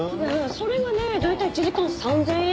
それがね大体１時間３０００円。